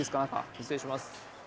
失礼します。